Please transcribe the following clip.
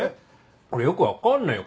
俺よく分かんねえよ